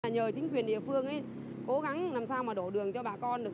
nhờ chính quyền địa phương cố gắng làm sao mà đổ đường cho bà con